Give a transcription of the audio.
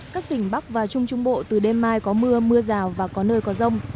các tỉnh bắc và trung trung bộ từ đêm mai có mưa mưa rào và có nơi có rông